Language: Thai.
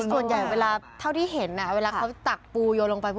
ส่วนใหญ่เวลาเท่าที่เห็นเวลาเขาตักปูโยนลงไป